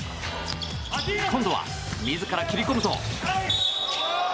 今度は自ら切り込むと。